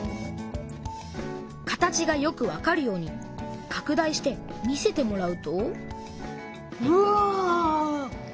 形がよくわかるようにかく大して見せてもらうとうわ！